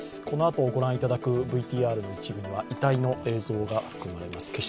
このあと御覧いただくＶＴＲの一部には遺体の映像が含まれます